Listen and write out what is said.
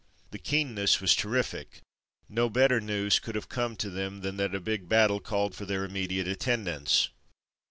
'' The keenness was terrific. No better news could have come to them than that a 2^2 From Mud to Mufti big battle called for their immediate attend ance.